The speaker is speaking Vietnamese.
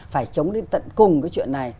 phải chống đến tận cùng cái chuyện này